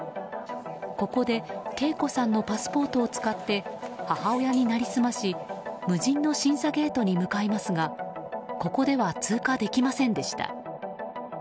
ここで啓子さんのパスポートを使って母親になりすまし無人の審査ゲートに向かいますがここでは通過できませんでした。